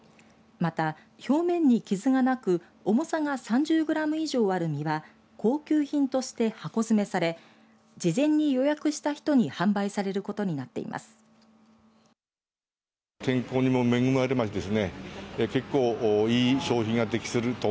また、表面に傷がなく重さが３０グラム以上ある実は高級品として箱詰めされ事前に予約した人に販売されることになっています。